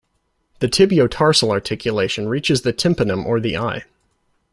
The tibio-tarsal articulation reaches the tympanum or the eye.